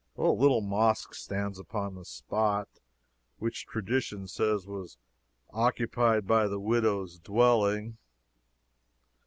A little mosque stands upon the spot which tradition says was occupied by the widow's dwelling.